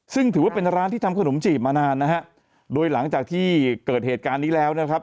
ซึ่งถือว่าเป็นร้านที่ทำขนมจีบมานานนะฮะโดยหลังจากที่เกิดเหตุการณ์นี้แล้วนะครับ